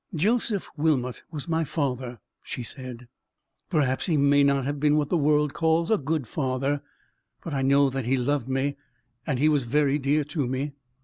"Joseph Wilmot was my father," she said. "Perhaps he may not have been what the world calls a good father; but I know that he loved me, and he was very dear to me.